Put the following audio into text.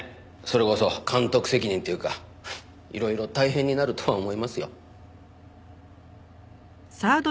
それこそ監督責任っていうかいろいろ大変になるとは思いますよ。